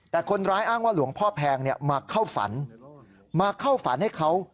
แต่คนร้ายอ้างว่าหลวงพ่อแพงมาเข้าฝันมาเข้าฝันให้เขา